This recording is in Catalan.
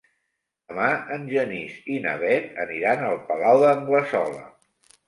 Demà en Genís i na Bet aniran al Palau d'Anglesola.